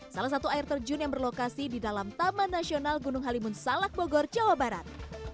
salah satu air terjun yang berlokasi di dalam taman nasional gunung halimun salak bogor jawa barat